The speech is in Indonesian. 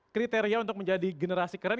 kriteria untuk menjadi generasi keren